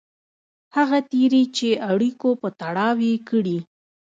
هغه تېري چې اړیکو په تړاو یې کړي.